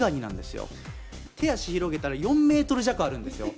手足広げたら４ｍ弱あるんですよ